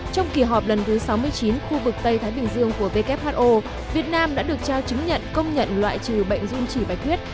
trong kỳ họp lần thứ sáu mươi chín khu vực tây thái bình dương của who việt nam đã được trao chứng nhận công nhận loại trừ bệnh dung chỉ bạch huyết